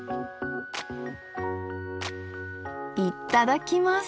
いっただきます！